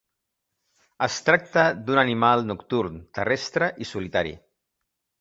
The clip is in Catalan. Es tracta d'un animal nocturn, terrestre i solitari.